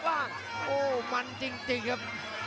หัวจิตหัวใจแก่เกินร้อยครับ